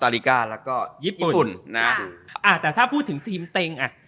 แล้วก็ญี่ปุ่นอ่าแต่ถ้าพูดถึงทีมเต้งอ่ะ